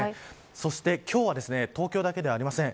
そして今日は、東京だけではありません。